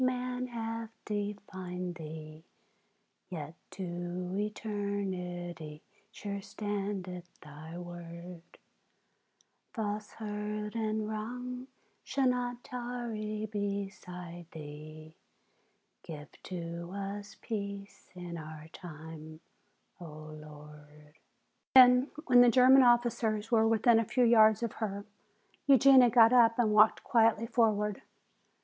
Man hath defied Thee, Yet to eternity sure standeth Thy word; Falsehood and wrong shall not tarry beside Thee, Give to us peace in our time, O Lord!" Then when the German officers were within a few yards of her, Eugenia got up and walked quietly forward.